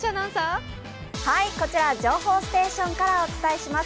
こちら情報ステーションからお伝えします。